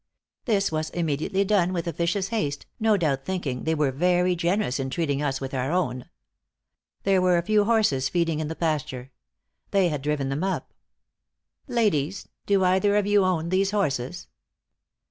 This was immediately done with officious haste, no doubt thinking they were very generous in treating us with our own. There were a few horses feeding in the pasture. They had them driven up. 'Ladies, do either of you own these horses?'